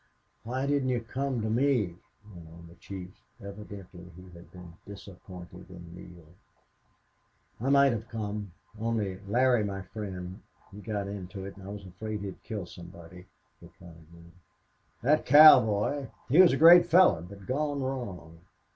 "Why didn't you come to me?" went on the chief. Evidently he had been disappointed in Neale. "I might have come only Larry, my friend he got into it, and I was afraid he'd kill somebody," replied Neale. "That cowboy he was a great fellow, but gone wrong.